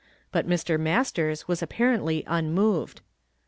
But Mr. Masters was apparently uiunoved.